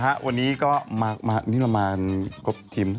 วันนี้ก็มาซักทีม